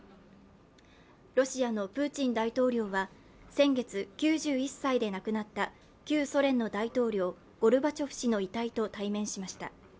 ロシアのプーチン大統領は、先月９１歳で亡くなった旧ソ連の大統領、ゴルバチョフ氏の遺体と対面しました。